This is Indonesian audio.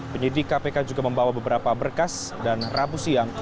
penyidik kpk juga membawa beberapa berkas dan rabu siang